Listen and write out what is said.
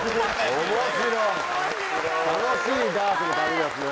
楽しいダーツの旅ですね。